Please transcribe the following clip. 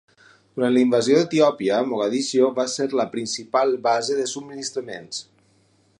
Durant la invasió d'Etiòpia, Mogadiscio va ser la principal base de subministraments.